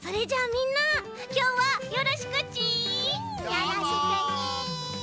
よろしくね！